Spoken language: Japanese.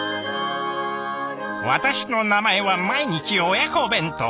私の名前は「毎日親子弁当」。